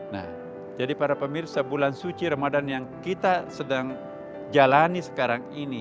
nah jadi para pemirsa bulan suci ramadan yang kita sedang jalani sekarang ini